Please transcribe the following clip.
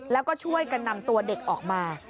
แล้วก็ช่วยกันนำตัวเด็กออกมา